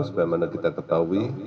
sebagaimana kita ketahui